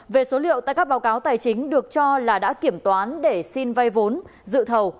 về số liệu tại các báo cáo tài chính được cho là đã kiểm toán để xin vay vốn dự thầu